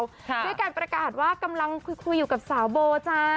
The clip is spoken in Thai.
ด้วยการประกาศว่ากำลังคุยอยู่กับสาวโบจ้า